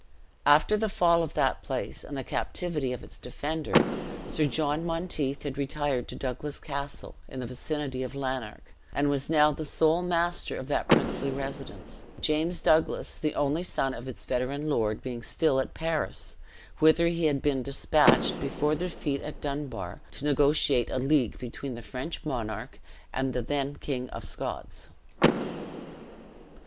After the fall of that place and the captivity of its defender, Sir Jon Monteith had retired to Douglas Castle, in the vicinity of Lanark, and was now the sole master of that princely residence: James Douglas, the only son of its veteran lord, being still at Paris, whither he had been dispatched, before the defeat at Dunbar, to negotiate a league between the French monarch and the then King of Scots.